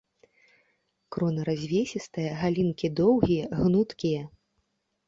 Крона развесістая, галінкі доўгія, гнуткія.